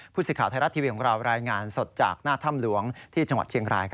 สิทธิ์ไทยรัฐทีวีของเรารายงานสดจากหน้าถ้ำหลวงที่จังหวัดเชียงราย